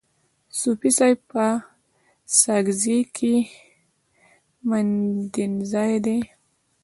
صوفي صاحب په ساکزی کي مندینزای دی.